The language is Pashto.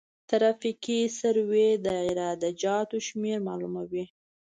ترافیکي سروې د عراده جاتو شمېر معلوموي